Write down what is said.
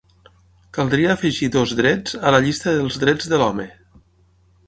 Caldria afegir dos drets a la llista dels drets de l'home.